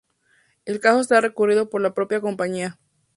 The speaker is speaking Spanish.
El caso está recurrido por la propia compañía.